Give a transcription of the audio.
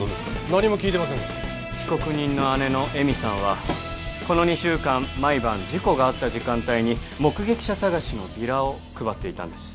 何も聞いてませんが被告人の姉の絵実さんはこの２週間毎晩事故があった時間帯に目撃者捜しのビラを配っていたんです